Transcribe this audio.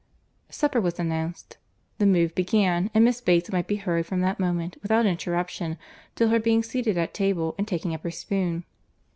Supper was announced. The move began; and Miss Bates might be heard from that moment, without interruption, till her being seated at table and taking up her spoon.